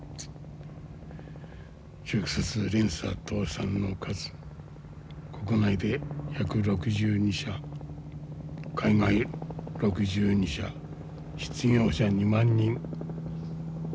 直接連鎖倒産の数国内で１６２社海外６２社失業者２万人。